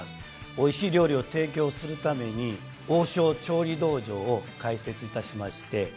おいしい料理を提供するために王将調理道場を開設いたしまして調理研修を行っております。